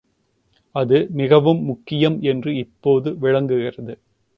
அது மிகவும் முக்கியம் என்று இப்போது விளங்குகிறது.